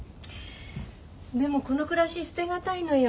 でもこの暮らし捨てがたいのよ。